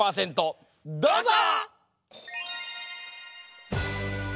どうぞ！